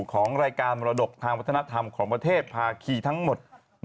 ของรายการมรดกทางวัฒนธรรมของประเทศภาคีทั้งหมด